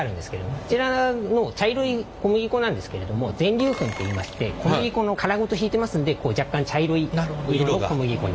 こちらの茶色い小麦粉なんですけれども全粒粉っていいまして小麦粉の殻ごとひいてますんでこう若干茶色い色の小麦粉に。